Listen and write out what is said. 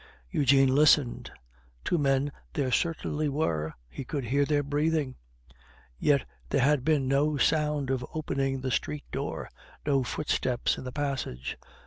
Eugene listened; two men there certainly were, he could hear their breathing. Yet there had been no sound of opening the street door, no footsteps in the passage.